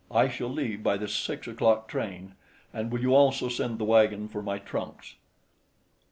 I shall leave by the six o'clock train. And will you also send the wagon for my trunks?"